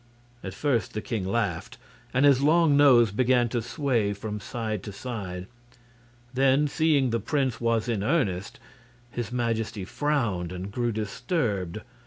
At first the king laughed, and his long nose began to sway from side to side. Then, seeing the prince was in earnest, his Majesty frowned and grew disturbed.